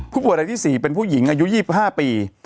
ผู้ป่วยรายที่๔เป็นผู้หญิงอายุ๒๕ปี